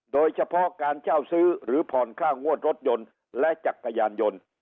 โดยเฉพาะการเช่าซื้อหรือผ่อนค่างวดรถยนต์และจักรยานยนต์